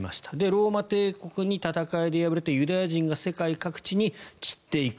ローマ帝国に戦いで敗れてユダヤ人が世界各地に散っていく。